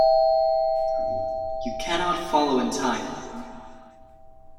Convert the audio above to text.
You cannot follow in time.